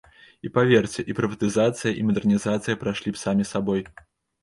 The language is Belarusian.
І, паверце, і прыватызацыя, і мадэрнізацыя прайшлі б самі сабой.